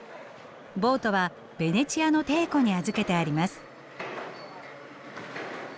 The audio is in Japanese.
ボートはベネチアの艇庫に預けてあります。